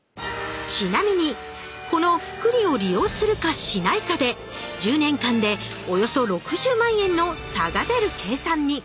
ちなみにこの複利を利用するかしないかで１０年間でおよそ６０万円の差が出る計算に！